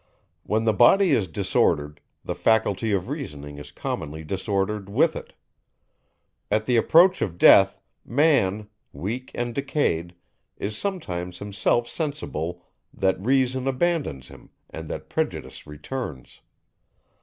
When the body is disordered, the faculty of reasoning is commonly disordered with it. At the approach of death, man, weak and decayed, is sometimes himself sensible that Reason abandons him, and that Prejudice returns.